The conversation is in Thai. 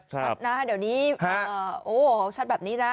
ชัดนะเดี๋ยวนี้โอ้โหชัดแบบนี้นะ